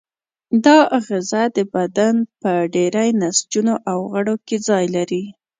دا آخذه د بدن په ډېری نسجونو او غړو کې ځای لري.